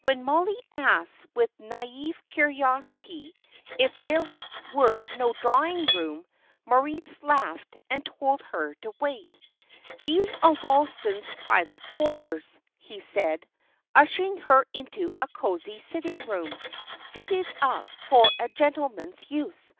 When Mollie asked, with naive curiosity, if there were no drawing room, Moritz laughed and told her to wait. "These are Ralston's private quarters," he said, ushering her into a cosy sitting room, fitted up for a gentleman's use.